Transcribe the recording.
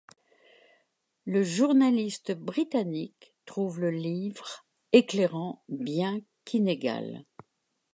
Le journaliste britannique trouve le livre éclairant bien qu'inégal.